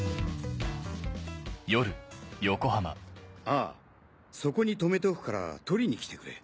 ああそこに停めておくから取りに来てくれ。